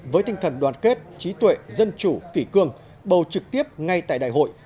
với tinh thần đoàn kết trí tuệ dân chủ kỷ cương bầu trực tiếp ngay tại đại hội